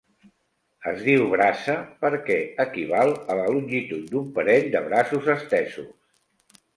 Es diu braça, perquè equival a la longitud d'un parell de braços estesos.